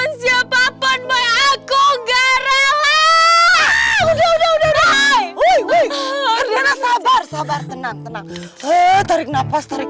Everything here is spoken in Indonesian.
enggak papa boy aku enggak rela udah udah sabar sabar tenang tenang tarik nafas tarik